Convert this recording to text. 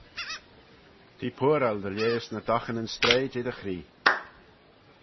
T'eh pooaral dy lheihys ny doghanyn s'treih jeh dty chree.